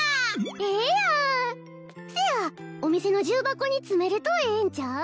ええやんせやお店の重箱に詰めるとええんちゃう？